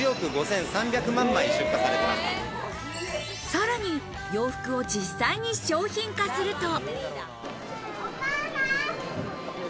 さらに洋服を実際に商品化すると。